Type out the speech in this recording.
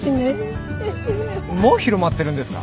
もう広まってるんですか！？